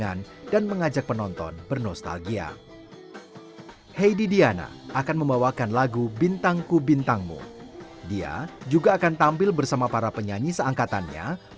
ini persiapannya sungguh sungguh hebat luar biasa ya